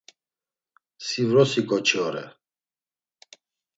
Si vrosi ǩoçi ore.